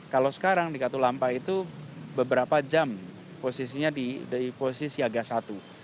kalau sekarang di katul lampas itu beberapa jam posisinya di posisi agas satu